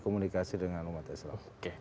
komunikasi dengan umat islam